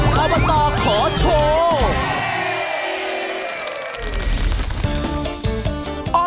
อบตขอโชว์